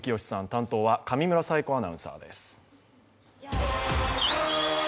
担当は上村彩子アナウンサーです。